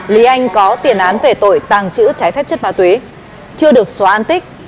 lý anh có tiền án về tội tàng trữ trái phép chất ma túy chưa được xóa an tích